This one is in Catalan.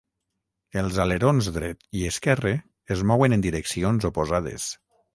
Els alerons dret i esquerre es mouen en direccions oposades.